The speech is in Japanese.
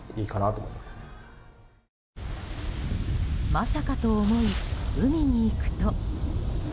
まさかと思い、海に行くと。